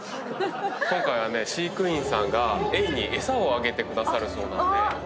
今回飼育員さんがエイに餌をあげてくださるそうなので。